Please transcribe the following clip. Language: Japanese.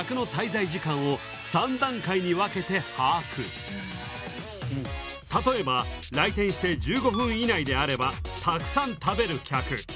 そして例えば来店して１５分以内であればたくさん食べる客。